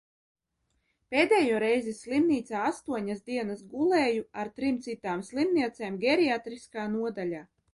Pēdējo reizi slimnīcā astoņas dienas gulēju ar trim citām slimniecēm geriatriskā nodaļā.